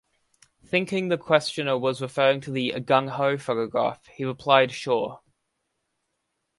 Thinking the questioner was referring to the 'gung-ho' photograph, he replied Sure.